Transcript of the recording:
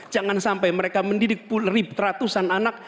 jangan sampai mereka mendidik puluh ribu ratusan anak